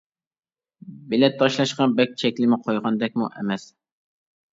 بىلەت تاشلاشقا بەك چەكلىمە قويغاندەكمۇ ئەمەس.